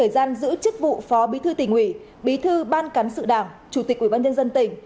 thời gian giữ chức vụ phó bí thư tỉnh ủy bí thư ban cán sự đảng chủ tịch ủy ban nhân dân tỉnh